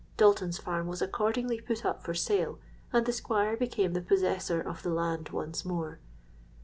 Dalton's farm was accordingly put up for sale; and the Squire became the possessor of the land once more.